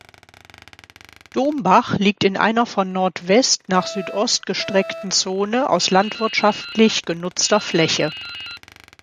Dombach liegt in einer von Nordwest nach Südost gestreckten Zone aus landwirtschaftlich genutzter Fläche.